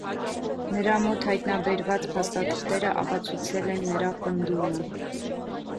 Նրա մոտ հայտնաբերված փաստաթղթերը ապացուցել են նրա պնդումը։